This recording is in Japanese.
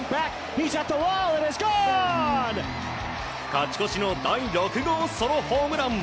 勝ち越しの第６号ソロホームラン。